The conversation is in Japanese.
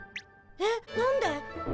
えっ何で？